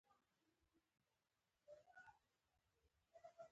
• مینه د بښنې او حوصلې درس دی.